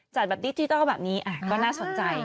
แบบดิจิทัลแบบนี้ก็น่าสนใจ